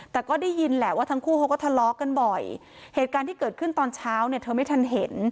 แต่ก็ได้ยินแหละว่าทั้งคู่เขาก็ทะเลาะกันบ่อยเหตุการณ์ที่เกิดขึ้นตอนเช้าเนี่ยเธอไม่ทันเห็น